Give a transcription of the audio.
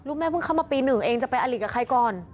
ลูกแม่เพิ่งเข้ามาปีหนึ่งเองจะไปอลิกับใครก่อน